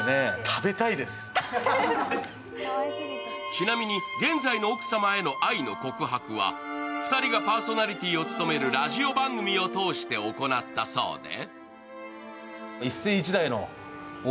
ちなみに現在の奥様への愛の告白は２人がパーソナリティーを務めるラジオ番組を通して行ったそうで。